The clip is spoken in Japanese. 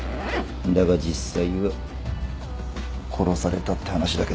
だが実際は殺されたって話だけどな